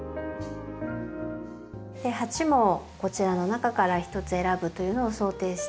鉢もこちらの中からひとつ選ぶというのを想定して。